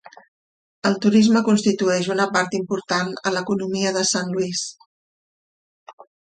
El turisme constitueix una part important a l'economia de Saint Louis.